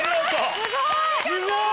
すごい！